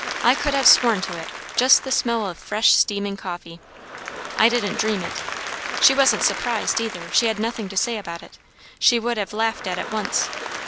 I could have sworn to it; just the smell of fresh, steaming coffee. I didn't dream it. She wasn't surprised, either; she had nothing to say about it. She would have laughed at it once.